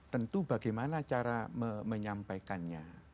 tentu bagaimana cara menyampaikannya